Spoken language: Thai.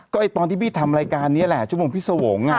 ก็ตอนที่พี่ทำรายการนี้แหละชั่วโมงพี่สวงศ์